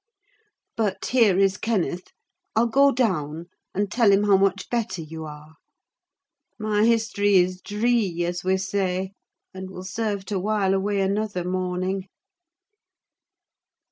But here is Kenneth; I'll go down, and tell him how much better you are. My history is dree, as we say, and will serve to while away another morning.